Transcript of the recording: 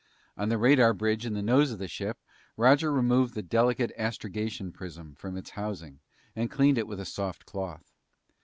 On the radar bridge in the nose of the ship, Roger removed the delicate astrogation prism from its housing and cleaned it with a soft cloth.